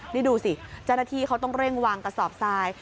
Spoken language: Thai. นี่ดูสิเจ้าหน้าที่เขาต้องเร่งวางกระสอบทราย